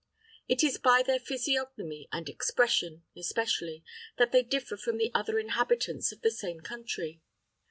It is by their physiognomy and expression, especially, that they differ from the other inhabitants of the same country.